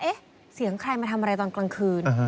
เอ๊ะเสียงใครมาทำอะไรตอนกลางคืน